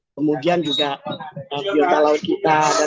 kemudian juga biota laut kita